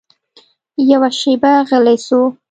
يوه شېبه غلى سو.